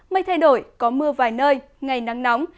mây thay đổi có mưa vài nơi ngày nắng nóng